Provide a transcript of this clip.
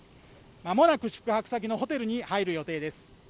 間もなく宿泊先のホテルに入る予定です。